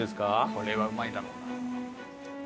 これはうまいだろ。